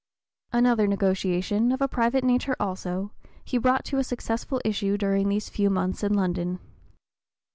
Another negotiation, of a private nature also, he brought to a successful issue during these few months in London.